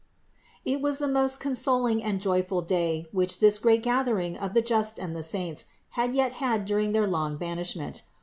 It was the most consoling and joyful day, which this great gathering of the just and the saints had yet had during their long ban ishment.